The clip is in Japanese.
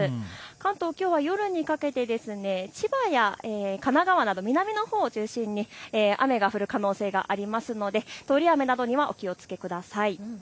関東、きょうは夜にかけて、千葉や神奈川など南のほうを中心に雨が降る可能性がありますので通り雨などにはお気をつけください。